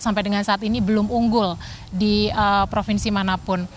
sampai dengan saat ini belum unggul di provinsi manapun